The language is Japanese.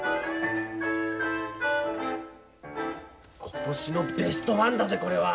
今年のベストワンだぜこれは。